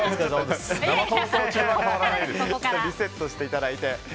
リセットしていただいて。